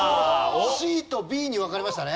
ＣとＢに分かれましたね。